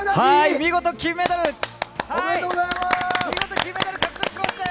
見事金メダル、獲得しましたよ。